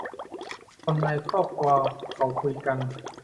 คนในครอบครัวเขาคุยกัน